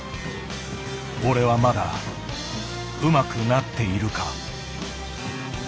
「俺はまだうまくなっているか？」。